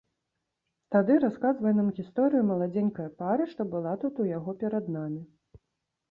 Тады расказвае нам гісторыю маладзенькае пары, што была тут у яго перад намі.